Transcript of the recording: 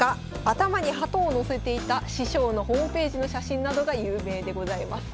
頭にハトをのせていた師匠のホームページの写真などが有名でございます。